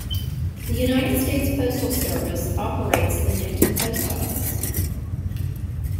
The United States Postal Service operates the Newton Post Office.